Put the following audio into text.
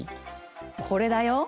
これだよ。